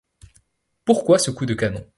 Pourquoi ce coup de canon